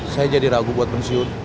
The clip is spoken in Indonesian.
saya jadi ragu buat pensiun